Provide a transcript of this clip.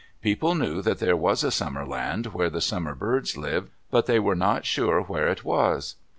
People knew that there was a Summer Land where the Summer Birds lived, but they were not sure where it was.